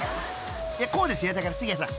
［こうですよだから杉谷さん。